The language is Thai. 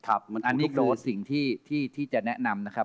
อันนี้คือสิ่งที่จะแนะนำนะครับ